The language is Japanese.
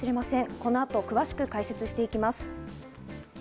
この後、詳しく解説していきます。